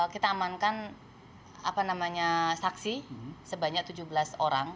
kita amankan saksi sebanyak tujuh belas orang